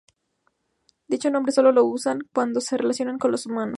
Dicho nombre sólo lo usan cuando se relacionan con los humanos.